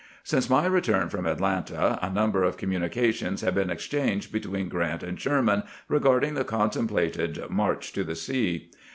Since my return from Atlanta a number of commu nications had been exchanged between G rant and Sher man regarding the contemplated " march to the sea."